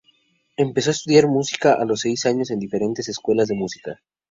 Empezó a estudiar música a los seis años en diferentes escuelas de música.